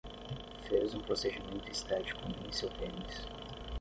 Fez um procedimento estético em seu pênis